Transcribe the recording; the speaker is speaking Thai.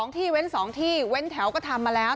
ที่เว้น๒ที่เว้นแถวก็ทำมาแล้ว